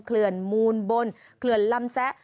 เขื่อนมูลบนเขื่อนลำแซะ